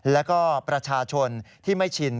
แล้วก็ประชาชนที่ไม่ชิน